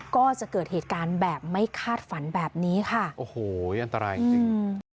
ก็จะเกิดเหตุการณ์แบบไม่คาดฝันแบบนี้ค่ะโอ้โหอันตรายจริงจริงอืม